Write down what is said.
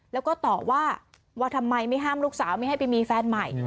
แล้วก็ตอบว่าว่าทำไมไม่ห้ามลูกสาวไม่ให้ไปมีแฟนใหม่